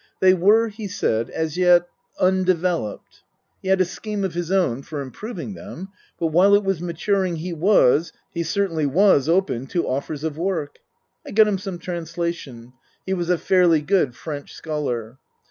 They were, he said, as yet undeveloped. He had a scheme of his own for improving them, but while it was maturing he was, he certainly was open to offers of work. I got him some translation. (He was a fairly good French scholar.)